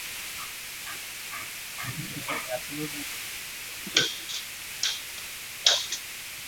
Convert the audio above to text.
এটি ছিল অ্যাপোলোর মূর্তির পাদদেশে।